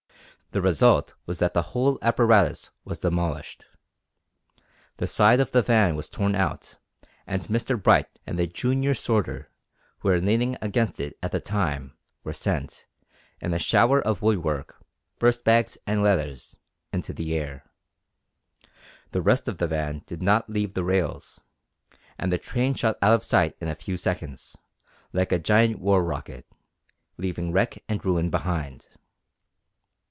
The result was that the whole apparatus was demolished; the side of the van was torn out, and Mr Bright and the junior sorter, who were leaning against it at the time, were sent, in a shower of woodwork, burst bags, and letters, into the air. The rest of the van did not leave the rails, and the train shot out of sight in a few seconds, like a giant war rocket, leaving wreck and ruin behind!